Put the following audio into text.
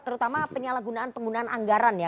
terutama penyalahgunaan penggunaan anggaran ya